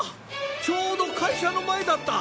ちょうど会社の前だった。